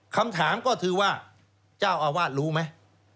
คำถามก็คือว่าเจ้าอาวาสรู้ไหม